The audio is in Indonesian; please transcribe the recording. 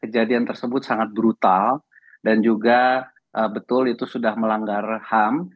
jadi yang tersebut sangat brutal dan juga betul itu sudah melanggar ham